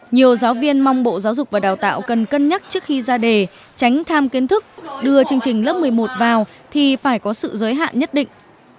nhiều giáo viên mong bộ giáo dục và đào tạo cần cân nhắc trước khi ra đề tránh tham kiến thức đưa chương trình lớp một mươi một vào thì phải có sự giới hạn nhất định